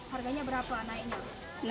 harganya berapa naiknya